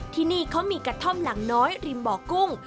ที่นี่เขามีกระท่อมหลังน้อยริมบ่อกุ้ง